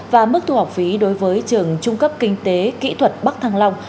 và mức thu học phí đối với trường trung cấp kinh tế kỹ thuật bắc thăng long